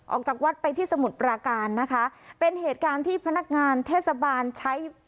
ออกจากวัดไปที่สมุทรปราการนะคะเป็นเหตุการณ์ที่พนักงานเทศบาลใช้